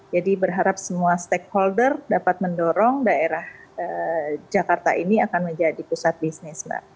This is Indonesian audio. jadi berharap semua stakeholder dapat mendorong daerah jakarta ini akan menjadi pusat bisnis